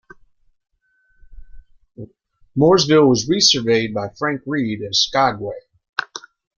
Mooresville was resurveyed by Frank Reid as Skaguay.